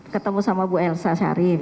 ketemu sama bu elsa sharif